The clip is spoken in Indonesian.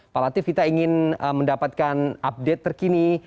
pak latif kita ingin mendapatkan update terkini